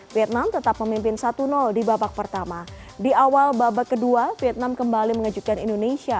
vietnam tetap memimpin satu di babak pertama di awal babak kedua vietnam kembali mengejutkan indonesia